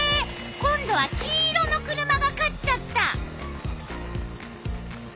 今度は黄色の車が勝っちゃった。